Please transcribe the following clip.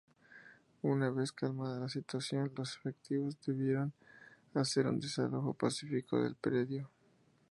Una vez calmada la situación los efectivos debieron hacer un "desalojo pacífico" del predio.